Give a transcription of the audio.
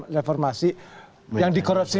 reformasi yang dikorupsi